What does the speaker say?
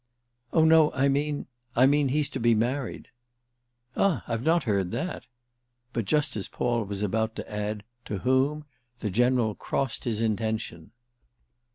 "Oh no, I mean—I mean he's to be married." "Ah I've not heard that!" But just as Paul was about to add "To whom?" the General crossed his intention.